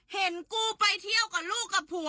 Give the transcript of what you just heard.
เห็นกูไปเที่ยวกับลูกกับผัว